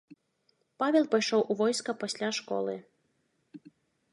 Павел пайшоў у войска пасля школы.